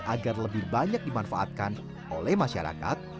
agar lebih banyak dimanfaatkan oleh masyarakat